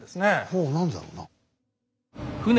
ほう何だろうな。